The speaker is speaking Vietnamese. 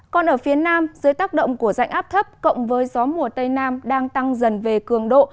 còn ở phía nam dưới tác động của dạnh áp thấp cộng với gió mùa tây nam đang tăng dần về cường độ